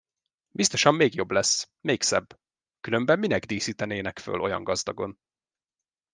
Biztosan még jobb lesz, még szebb, különben minek díszítenének föl olyan gazdagon?